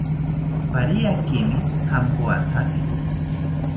Pariakimi jampoathaki